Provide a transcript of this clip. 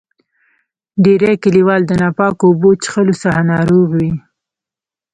ډیری کلیوال د ناپاکو اوبو چیښلو څخه ناروغ وي.